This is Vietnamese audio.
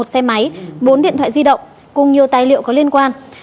một xe máy bốn điện thoại di động cùng nhiều tài liệu có liên quan